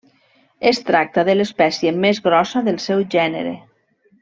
Es tracta de l'espècie més grossa del seu gènere.